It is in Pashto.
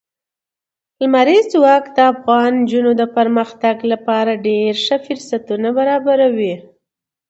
لمریز ځواک د افغان نجونو د پرمختګ لپاره ډېر ښه فرصتونه برابروي.